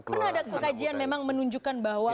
pernah ada kekajian memang menunjukkan bahwa